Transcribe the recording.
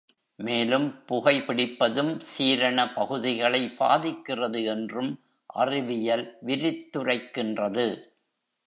மேலும் புகைபிடிப்பதும், சீரண பகுதிகளை பாதிக்கிறது என்றும் அறிவியல் விரித்துரைக்கின்றது.